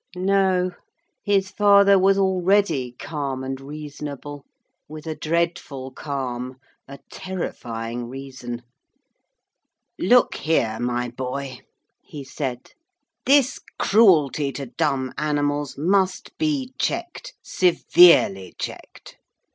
No; his father was already calm and reasonable with a dreadful calm, a terrifying reason. 'Look here, my boy,' he said. 'This cruelty to dumb animals must be checked severely checked.'